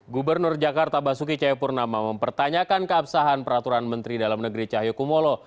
gubernur jakarta basuki cayapurnama mempertanyakan keabsahan peraturan menteri dalam negeri cahyokumolo